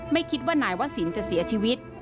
ไม่คิดว่านายวศิลป์จะเสียชีวิต